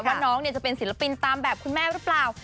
ว่าน้องจะเป็นศิลปินตามแบบคุณแม่หรือเปล่า